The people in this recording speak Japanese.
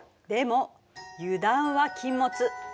でも油断は禁物。